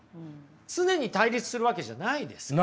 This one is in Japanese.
常に対立するわけじゃないですから。